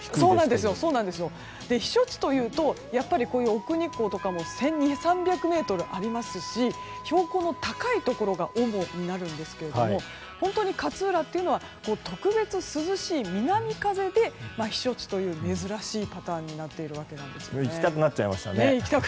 避暑地というと奥日光とか１２００ぐらいありますし標高の高いところが温度になるんですけど本当に勝浦は特別涼しい南風で避暑地という珍しいパターンになっているわけです。